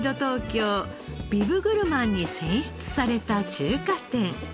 ビブグルマンに選出された中華店。